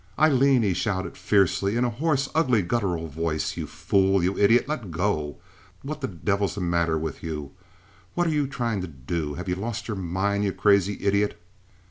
"Aileen," he shouted, fiercely, in a hoarse, ugly, guttural voice, "you fool! You idiot—let go! What the devil's the matter with you? What are you trying to do? Have you lost your mind?—you crazy idiot!"